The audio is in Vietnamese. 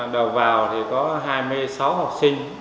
đầu vào thì có hai mươi sáu học sinh